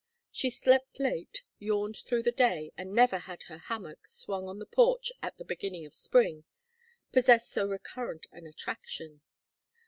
She slept late, yawned through the day; and never had her hammock swung on the porch at the beginning of spring possessed so recurrent an attraction.